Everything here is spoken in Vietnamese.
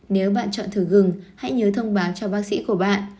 nếu bạn chọn thử gừng hãy nhớ thông báo cho bác sĩ của bạn